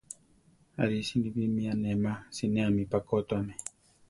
Arí si bi ni mi anéma, sinéami pakótuame.